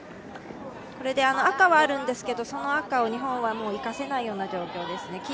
赤はあるんですが、その赤を日本は生かせないような状況ですね。